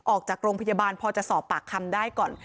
ออกจากโรงพยาบาลพอจะสอบปากคำได้ก่อน